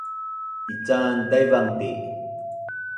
Ican Taivan ti